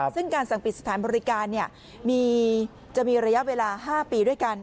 ซึ่งการสั่งปิดสถานบริการจะมีระยะเวลา๕ปีด้วยกัน